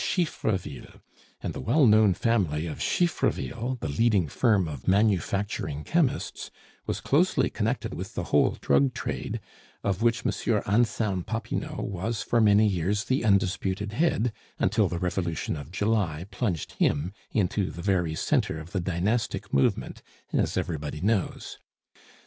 Chiffreville; and the well known family of Chiffreville, the leading firm of manufacturing chemists, was closely connected with the whole drug trade, of which M. Anselme Popinot was for many years the undisputed head, until the Revolution of July plunged him into the very centre of the dynastic movement, as everybody knows.